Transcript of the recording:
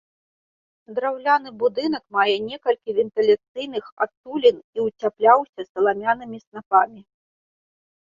Драўляны будынак мае некалькі вентыляцыйных адтулін і ўцяпляўся саламянымі снапамі.